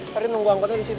tadi nunggu angkotnya di situ